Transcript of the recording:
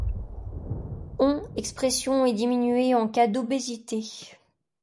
On expression est diminuée en cas d'obésité.